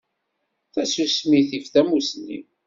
Tasusmi tif tamusni.